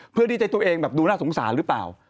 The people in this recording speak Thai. เพื่อที่จะตัวเองแบบดูน่าสงสารหรือเปล่า